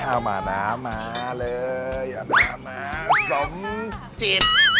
เอามาน้ำมาเลยเอาน้ำมาสมจิต